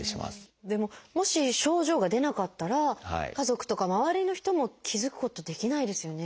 でももし症状が出なかったら家族とか周りの人も気付くことできないですよね。